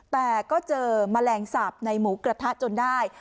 แต่ก็เจอแมลงสาปในหมูกระทะจนได้